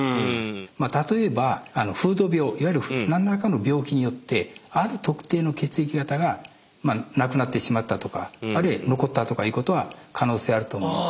まあ例えば風土病いわゆる何らかの病気によってある特定の血液型がなくなってしまったとかあるいは残ったとかいうことは可能性あると思います。